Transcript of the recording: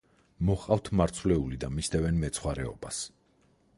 მოჰყავთ მარცვლეული და მისდევენ მეცხვარეობას.